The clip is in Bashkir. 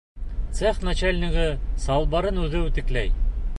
Цех начальнигы салбарын үҙе үтекләй!